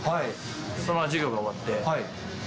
そのまま授業が終わって。